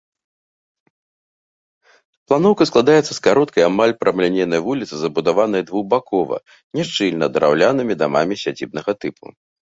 Планоўка складаецца з кароткай, амаль прамалінейнай вуліцы, забудаванай двухбакова, няшчыльна, драўлянымі дамамі сядзібнага тыпу.